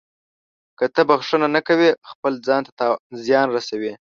• که ته بښنه نه کوې، خپل ځان ته تاوان رسوې.